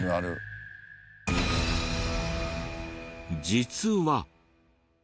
実は。